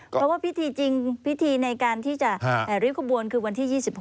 เพราะว่าพิธีจริงพิธีในการที่จะริ้วขบวนคือวันที่๒๖